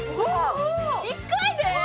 １回で？